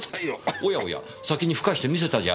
おやおや先にふかして見せたじゃありませんか。